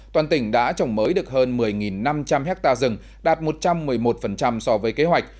toàn tỉnh đã trồng mới được hơn một mươi năm trăm linh hectare rừng đạt một trăm một mươi một so với kế hoạch